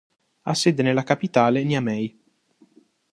Ha sede nella capitale Niamey.